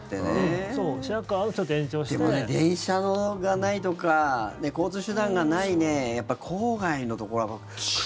でも、電車がないとか交通手段がないのは郊外のところは。